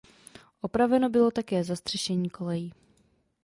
Opraveno bylo také zastřešení kolejí.